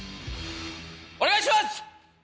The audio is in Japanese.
お願いします。